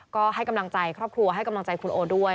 ก็ให้กำลังใจครอบครัวให้กำลังใจคุณโอด้วย